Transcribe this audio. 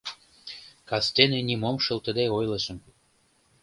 Кастене нимом шылтыде ойлышым: